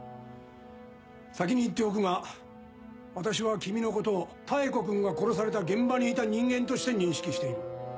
先に言っておくが私は君のことを妙子君が殺された現場にいた人間として認識している。